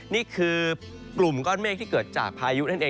นี่คือกลุ่มก้อนเมฆที่เกิดจากพายุนั่นเอง